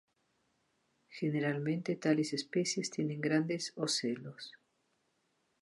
Generalmente tales especies tienen grandes ocelos.